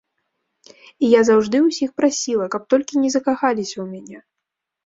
І я заўжды ўсіх прасіла, каб толькі не закахаліся ў мяне.